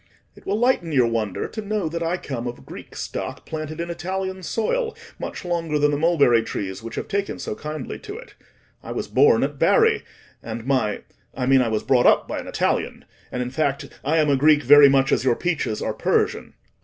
"It will lighten your wonder to know that I come of a Greek stock planted in Italian soil much longer than the mulberry trees which have taken so kindly to it. I was born at Bari, and my—I mean, I was brought up by an Italian—and, in fact, I am a Greek, very much as your peaches are Persian.